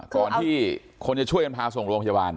ก่อนที่คนจะช่วยกันพาส่งโรงพยาบาล